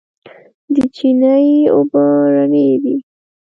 د چينې اوبه رڼې دي.